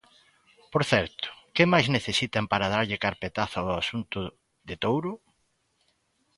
Por certo, ¿que máis necesitan para darlle carpetazo ao asunto de Touro?